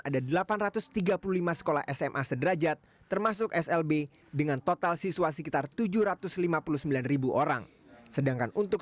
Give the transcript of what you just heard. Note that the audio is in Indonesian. ada delapan ratus tiga puluh lima sekolah sma sederajat termasuk slb dengan total siswa sekitar tujuh ratus lima puluh sembilan orang sedangkan untuk